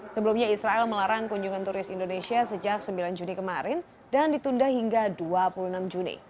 sebelumnya israel melarang kunjungan turis indonesia sejak sembilan juni kemarin dan ditunda hingga dua puluh enam juni